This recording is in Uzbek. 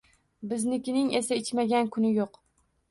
Biznikining esa ichmagan kuni yo`q